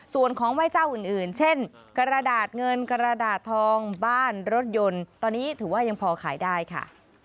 ส่วนของไหว้เจ้าอื่นเช่นกระดาษเงินกระดาษทองบ้านรถยนต์ตอนนี้ถือว่ายังพอขายได้ค่ะ